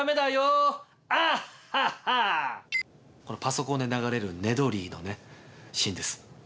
このパソコンで流れるネドリーのシーンです。